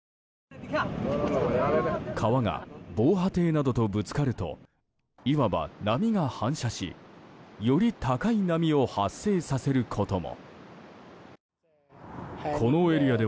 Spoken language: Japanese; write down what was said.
川が防波堤などとぶつかるといわば、波が反射しより高い波を発生させることも。